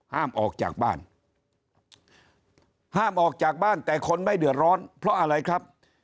ห้ามออกจากบ้านห้ามออกจากบ้านแต่คนไม่เดือดร้อนเพราะอะไรครับ